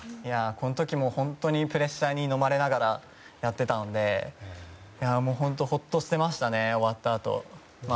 この時も本当にプレッシャーにのまれながら、やってたので本当にほっとしてました終わったあと。